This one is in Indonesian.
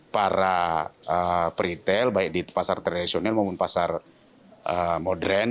para peritel baik di pasar tradisional maupun pasar modern